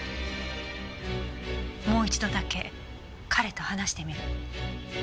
もう一度だけ彼と話してみる。